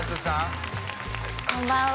こんばんは。